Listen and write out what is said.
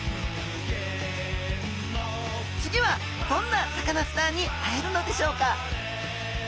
次はどんなサカナスターに会えるのでしょうか。